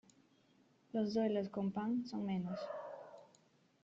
Los duelos con pan son menos.